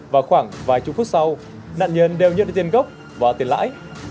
và khoảng vài chút phút sau đàn nhân đều nhận được tiền gốc và tiền lãi